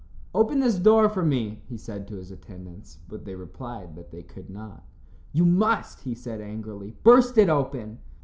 "Open this door for me," he said to his attendants, but they replied that they could not. "You must," he said angrily, "burst it open."